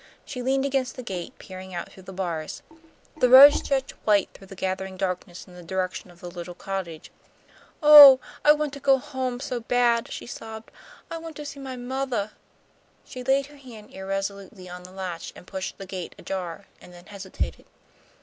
She leaned against the gate, peering out through the bars. The road stretched white through the gathering darkness in the direction of the little cottage. "Oh, I want to go home so bad!" she sobbed. "I want to see my mothah." She laid her hand irresolutely on the latch, pushed the gate ajar, and then hesitated.